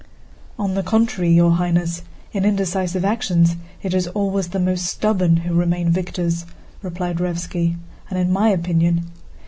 "On the contrary, your Highness, in indecisive actions it is always the most stubborn who remain victors," replied Raévski, "and in my opinion..."